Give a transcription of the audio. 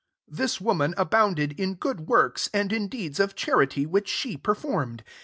this woman abounded in good works and in deeds of charity w)iich she performed.